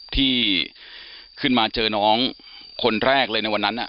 ที่ขึ้นมาเจอน้องคนแรกเลยในวันนั้น